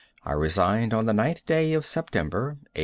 I resigned on the 9th day of September, A.